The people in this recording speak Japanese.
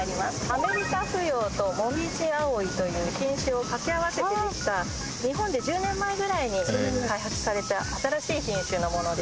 アメリカフヨウとモミジアオイという品種を掛け合わせてできた日本で１０年前ぐらいに開発された新しい品種のものです。